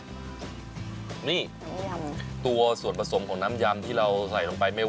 นี่น้ำยำตัวส่วนผสมของน้ำยำที่เราใส่ลงไป